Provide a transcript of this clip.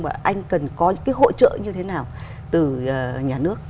và anh cần có hỗ trợ như thế nào từ nhà nước